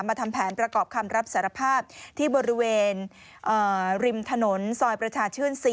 ทำแผนประกอบคำรับสารภาพที่บริเวณริมถนนซอยประชาชื่น๔